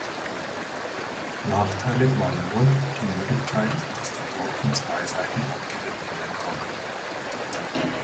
Nachteilig war nur die Möglichkeit, dass die Burg von zwei Seiten angegriffen werden konnte.